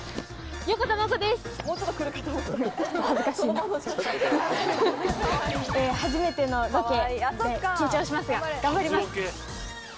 今回もう一人初めてのロケで緊張しますが頑張ります！